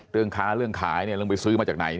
เรื่องค้าเรื่องขายเนี่ยเรื่องไปซื้อมาจากไหน